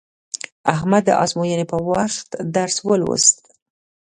احمد د ازموینې په وخت درس ولوست.